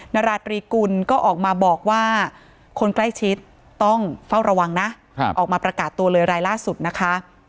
นาราตรีกุลก็ออกมาบอกว่าคนใกล้ชิดต้องเฝ้าระวังนะออกมาประกาศตัวเลยรายล่าสุดนะคะ